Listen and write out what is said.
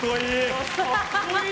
かっこいい！